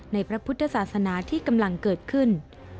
พระพุทธศาสนาที่กำลังเกิดขึ้น